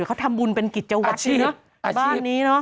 เขาทำบุญเป็นกิจวัตรเนอะบ้านนี้เนอะ